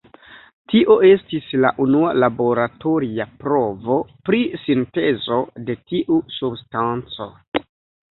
Tio estis la unua laboratoria provo pri sintezo de tiu substanco.